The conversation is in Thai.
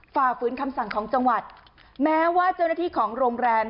ฝ่าฝืนคำสั่งของจังหวัดแม้ว่าเจ้าหน้าที่ของโรงแรม